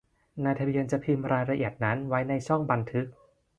นายทะเบียนจะพิมพ์รายละเอียดนั้นไว้ในช่องบันทึก